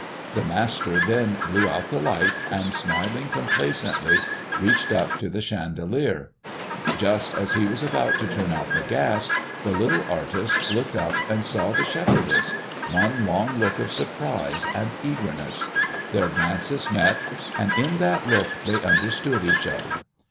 The master then blew out the light, and smiling complacently, reached up to the chandelier. Just as he was about to turn out the gas, the little artist looked up and saw the shepherdess, one long look of surprise and eagerness; their glances met, and in that look they understood each other.